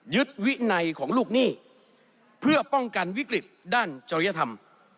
วินัยของลูกหนี้เพื่อป้องกันวิกฤตด้านจริยธรรม